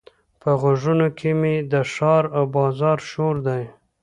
په غوږونو کې مې د ښار او بازار شور دی.